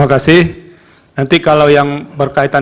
terima kasih nanti kalau yang berkaitan